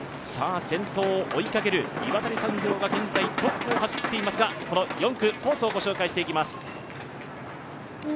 先頭を追いかける、岩谷産業が現在トップを走っていますが、この４区、コースをご紹介していきます。